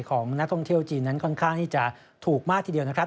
ของนักท่องเที่ยวจีนนั้นค่อนข้างที่จะถูกมากทีเดียวนะครับ